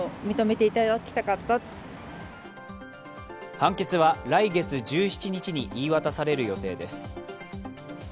判決は来月１７日に言い渡される予定です。